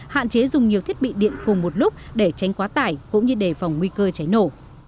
hạn chế dùng nhiều thiết bị điện cùng một lúc để tránh quá tải cũng như đề phòng nguy cơ cháy nổ